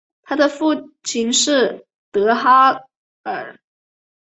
她的父亲是德哈尔。